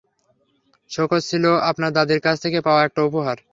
সোকস ছিলো আপনার দাদীর কাছ থেকে পাওয়া একটা উপহার।